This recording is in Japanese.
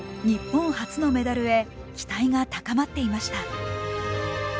日本初のメダルへ期待が高まっていました。